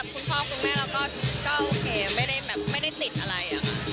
คุณพ่อคุณแม่ก็ไม่ได้ติดอย่างงี้